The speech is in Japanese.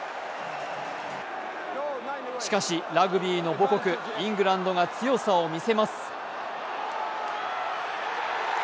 しかし、ラグビーの母国イングランドが強さを見せます。